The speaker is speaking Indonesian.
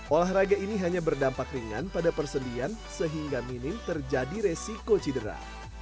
olahraga ini hanya berdampak ringan pada persendian sehingga minim terjadi resiko cedera